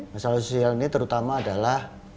masalah sosial ini terutama adalah